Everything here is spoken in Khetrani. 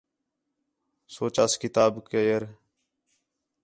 سوچاس کتاب کئر